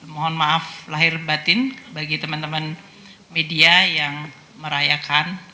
mohon maaf lahir batin bagi teman teman media yang merayakan